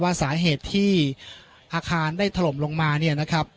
สาเหตุที่อาคารได้ถล่มลงมาเนี่ยนะครับ